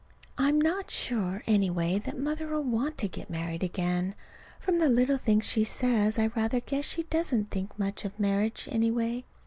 I'm not sure, anyway, that Mother'll want to get married again. From little things she says I rather guess she doesn't think much of marriage, anyway.